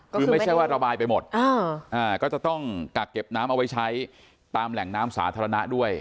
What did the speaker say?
คือไม่ใช่ว่าระบายไปหมดก็จะต้องกักเก็บน้ำเอาไว้ใช้ตามแหล่งน้ำสาธารณะด้วย